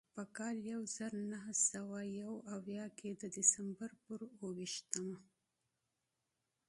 په کال یو زر نهه سوه یو اویا کې د ډسمبر پر اوه ویشتمه.